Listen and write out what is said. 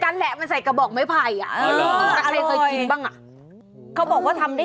อ่าแล้วนี่อะไรนี่อะไร